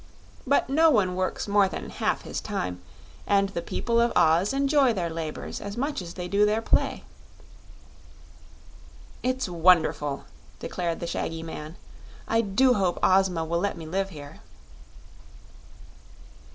But no one works more than half his time, and the people of Oz enjoy their labors as much as they do their play." "It's wonderful!" declared the shaggy man. "I do hope Ozma will let me live here."